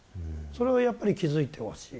それをやっぱり気付いてほしい。